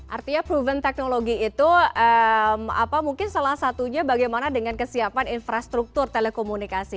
artinya proven technology itu mungkin salah satunya bagaimana dengan kesiapan infrastruktur telekomunikasi